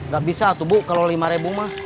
gak bisa tuh bu kalau lima ribu mah